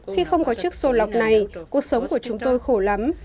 khi không có chiếc xô lọc này cuộc sống của chúng tôi khổ lắm